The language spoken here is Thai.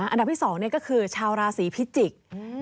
อันดับที่สองก็คือชาวราสีพิจิก